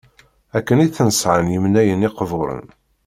akken i ten-sεan yemnayen iqburen